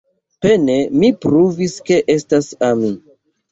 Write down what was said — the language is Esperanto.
Pene mi pruvis ke estas mi.